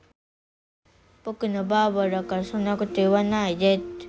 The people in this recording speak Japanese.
僕のばぁばだからそんなこと言わないでって。